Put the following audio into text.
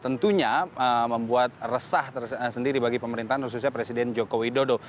tentunya membuat resah sendiri bagi pemerintahan khususnya presiden joko widodo